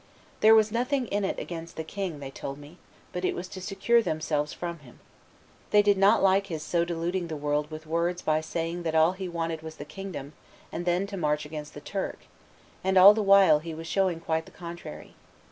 There was nothing in it against the king, they told me, but it was to secure themselves from him; they did not like his so deluding the world with words by saying that all he wanted was the kingdom, and then to march against the Turk, and all the while he was showing quite the contrary.